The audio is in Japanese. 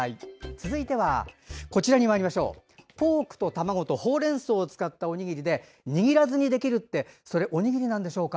続いてはポークと卵とそれから、ほうれんそうを使ったおにぎりで握らずにできるってそれ、おにぎりなんでしょうか。